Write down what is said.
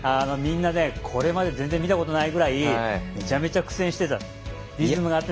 みんな、これまで見たこともないぐらいめちゃめちゃ苦戦してた。